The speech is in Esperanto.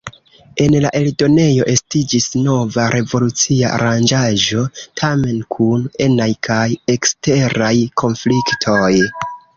En la eldonejo estiĝis nova revolucia aranĝaĵo, tamen kun enaj kaj eksteraj konfliktoj.